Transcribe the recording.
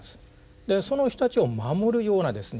でその人たちを守るようなですね